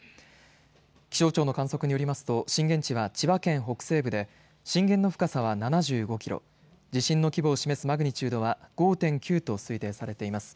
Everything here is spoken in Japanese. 気象庁の観測によりますと震源地は千葉県北西部で震源の深さは７５キロ、地震の規模を示すマグニチュードは５．９と推定されています。